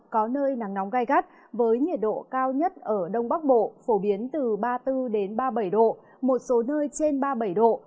có nơi nắng nóng gai gắt với nhiệt độ cao nhất ở đông bắc bộ phổ biến từ ba mươi bốn ba mươi bảy độ một số nơi trên ba mươi bảy độ